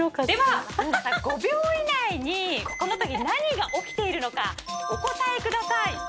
では５秒以内にこのときに何が起きているのかお答えください。